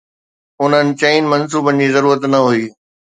انهن چئن منصوبن جي ضرورت نه هئي.